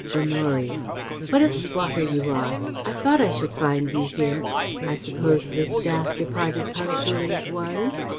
Honoria: "What a swotter you are! I thought I should find you here. I suppose the staff departed punctually at One?